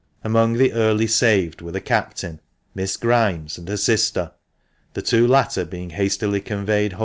Among the early saved were the Captain, Miss Grimes, and her sister, the two latter being hastily conveyed home in a MRS.